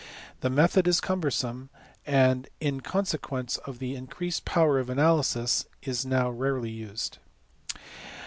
The method is cumbersome, and in consequence of the increased power of analysis is now rarely used.